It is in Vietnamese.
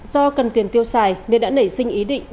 do cần tiền tiêu xài nên đã nảy sinh ý định